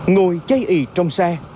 ngồi chây ị trong xe